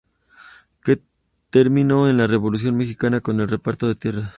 Que terminó en la Revolución Mexicana con el reparto de tierras.